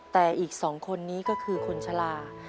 แต่อีก๒คนนี้ก็คือคนชะลา